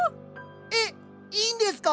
えっいいんですか？